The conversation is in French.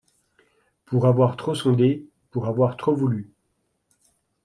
Pour avoir trop sondé, pour avoir trop voulu